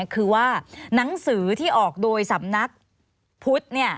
คือว่าหนังสือที่ออกโดยสำนักพุทธ